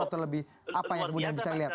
atau lebih apa yang bisa anda lihat